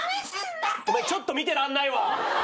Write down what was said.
ちょっと見てらんないわ。